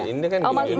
ini kan di indonesia